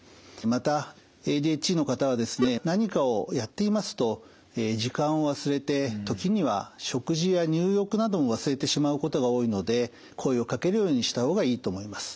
またＡＤＨＤの方はですね何かをやっていますと時間を忘れて時には食事や入浴なども忘れてしまうことが多いので声をかけるようにした方がいいと思います。